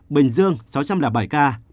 bình dương sáu trăm linh bảy ca